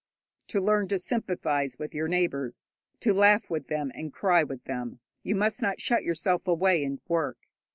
To learn to sympathize with your neighbours, to laugh with them and cry with them, you must not shut yourself away and work.